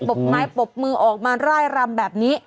บไม้ปบมือออกมาร่ายรำแบบนี้